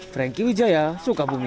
franky wijaya sukabumi